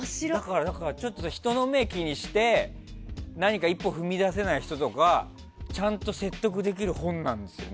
だから人の目を気にして何か一歩を踏み出せない人とかちゃんと説得できる本なんですよ。